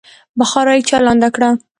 بخارۍ چالانده کړه.